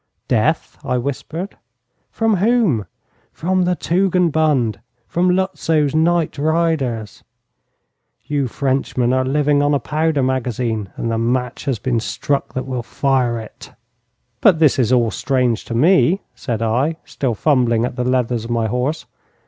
'Death!' I whispered. 'From whom?' 'From the Tugendbund. From Lutzow's night riders. You Frenchmen are living on a powder magazine, and the match has been struck that will fire it.' 'But this is all strange to me,' said I, still fumbling at the leathers of my horse.